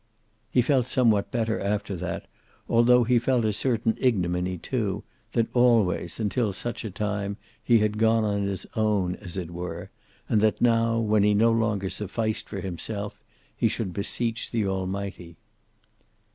He felt somewhat better after that, altho he felt a certain ignominy, too, that always, until such a time, he had gone on his own, as it were, and that now, when he no longer sufficed for himself, he should beseech the Almighty.